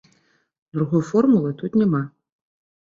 Другой формулы тут няма.